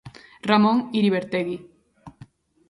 Ramón Iribertegui.